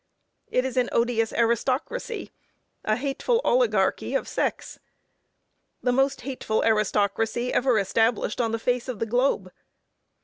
It is an odious aristocracy; a hateful obligarchy of sex. The most hateful aristocracy ever established on the face of the globe.